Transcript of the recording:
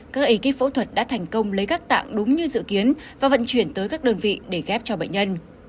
các ekip phẫu thuật đã thành công lấy các tạng đúng như dự kiến và vận chuyển tới các đơn vị để ghép cho bệnh nhân